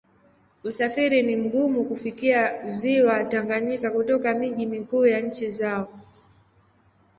Usafiri ni mgumu kufikia Ziwa Tanganyika kutoka miji mikuu ya nchi zao.